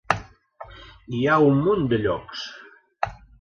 Hi ha un munt de llocs.